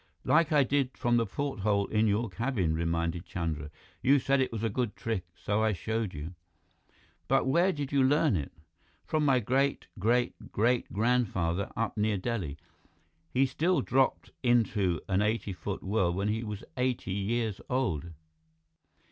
"Like I did from the porthole in your cabin," reminded Chandra. "You said it was a good trick, so I showed you." "But where did you learn it?" "From my great great great grandfather, up near Delhi. He still dropped into an eighty foot well when he was eighty years old."